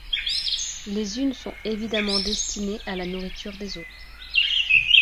Les unes sont évidemment destinées à la nourriture des autres.